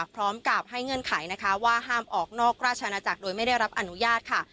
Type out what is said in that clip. พร้อมกับให้เงื่อนไขนะคะว่าห้ามออกนอกราชนาจักรโดยไม่ได้รับอนุญาตค่ะ